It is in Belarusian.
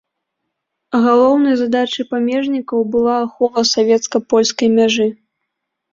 Галоўнай задачай памежнікаў была ахова савецка-польскай мяжы.